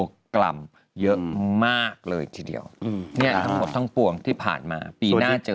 นกกล่ำเยอะมากเลยที่เดียวเนี่ยเนื่องพอทั้งตัวที่ผ่านมาปีหน้าเจอ